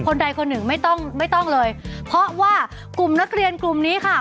ใดคนหนึ่งไม่ต้องไม่ต้องเลยเพราะว่ากลุ่มนักเรียนกลุ่มนี้ค่ะ